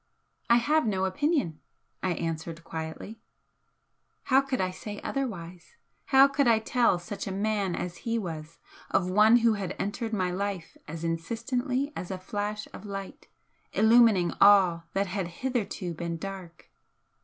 "I have no opinion," I answered, quietly. How could I say otherwise? How could I tell such a man as he was, of one who had entered my life as insistently as a flash of light, illumining all that had hitherto been dark!